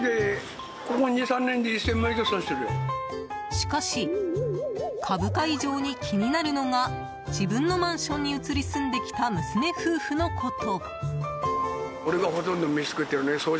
しかし株価以上に気になるのが自分のマンションに移り住んできた娘夫婦のこと。